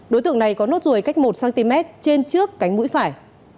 đối tượng này có nốt ruồi cách một cm trên trước cánh mũi phải